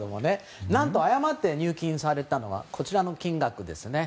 何と、誤って入金されたのはこちらの金額。